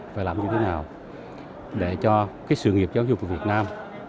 phải làm như thế nào để cho cái sự nghiệp giáo dục của việt nam